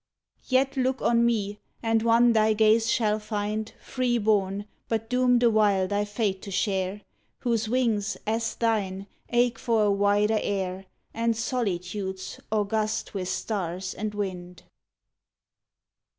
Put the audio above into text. Yet look on me, and one thy gaze shall find Freeborn, but doomed awhile thy fate to share Whose wings, as thine, ache for a wider air And solitudes august with stars and wind.